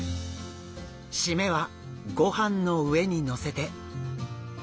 締めはごはんの上にのせて。